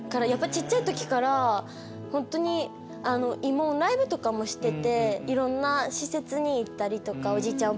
小っちゃい時から本当に慰問ライブとかもしてていろんな施設に行ったりとかおじいちゃん